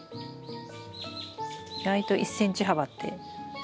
意外と１ｃｍ幅って狭いです。